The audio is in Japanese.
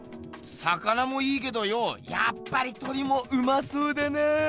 魚もいいけどよやっぱり鳥もうまそうだな。